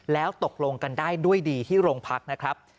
แล้วตกลงกันได้ด้วยดีที่โรงพักนะครับ